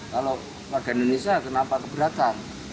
kalau warga indonesia kenapa keberatan